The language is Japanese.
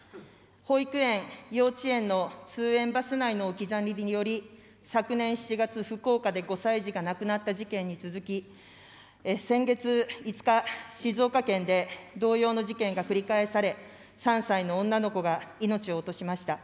保育園、幼稚園の通園バス内の置き去りにより昨年７月、福岡で５歳児が亡くなった事件に続き、先月５日、静岡県で同様の事件が繰り返され、３歳の女の子が命を落としました。